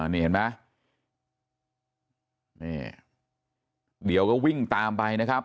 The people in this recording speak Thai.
นี่เห็นไหมนี่เดี๋ยวก็วิ่งตามไปนะครับ